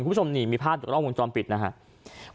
คุณผู้ชมนี่มีพลาดตรงรอบวงจอมปิดนะครับ